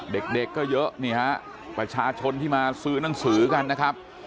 เด็กก็เยอะนี่ฮะประชาชนที่มาซื้อหนังสือกันนะครับ